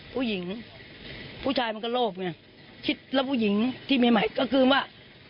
ผู้ชายผู้ชายมันก็โลภไงคิดแล้วผู้หญิงที่ใหม่ก็คือว่า